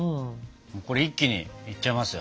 これ一気にいっちゃいますよ。